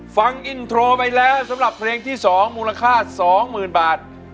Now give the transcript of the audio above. ฟังอินโทรไปแล้วสำหรับเพลงที่๒มูลค่า๒๐๐๐บาท